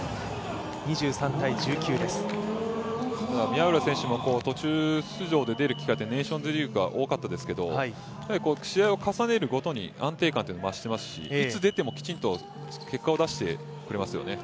宮浦選手も途中出場する機会がネーションズリーグから多かったですけど試合を重ねるごとに安定感が増していますしいつ出てもきちんと結果を出してくれますよね。